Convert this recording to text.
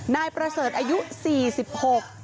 นายประเสริฐอายุสี่สิบหก